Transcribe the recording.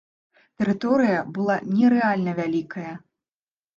Тэрыторыя была нерэальна вялікая.